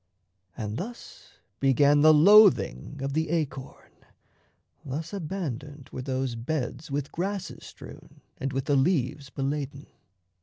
And thus Began the loathing of the acorn; thus Abandoned were those beds with grasses strewn And with the leaves beladen.